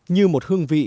như một hương vị